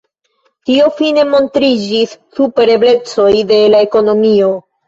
Tio fine montriĝis super eblecoj de la ekonomio.